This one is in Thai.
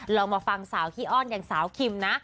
ลองมาฟังสาวขี้อ้อนอย่างสาวคิมนะ